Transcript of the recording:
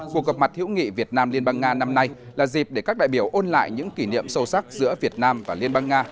cuộc gặp mặt hữu nghị việt nam liên bang nga năm nay là dịp để các đại biểu ôn lại những kỷ niệm sâu sắc giữa việt nam và liên bang nga